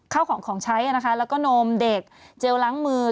เข้าของของใช้นะคะแล้วก็โนมเด็กเจลล้างมือ